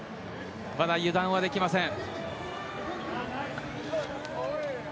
まだ油断はできません。